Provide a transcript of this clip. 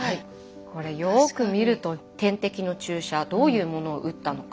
これよく見ると点滴の注射どういうものを打ったのか。